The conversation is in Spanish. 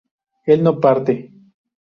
él no parte